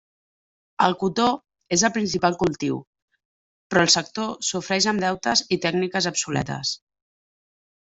El cotó és el principal cultiu, però el sector sofreix amb deutes i tècniques obsoletes.